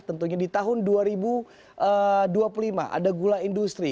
tentunya di tahun dua ribu dua puluh lima ada gula industri